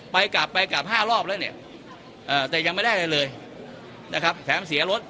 กลับไปกลับ๕รอบแล้วเนี่ยแต่ยังไม่ได้อะไรเลยนะครับแถมเสียรถ